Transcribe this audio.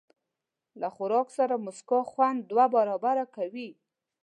له خوراک سره موسکا، خوند دوه برابره کوي.